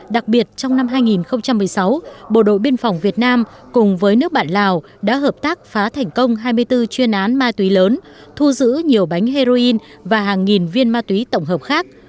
đặc biệt trong năm hai nghìn một mươi sáu bộ đội biên phòng việt nam cùng với nước bạn lào đã hợp tác phá thành công hai mươi bốn chuyên án ma túy lớn thu giữ nhiều bánh heroin và hàng nghìn viên ma túy tổng hợp khác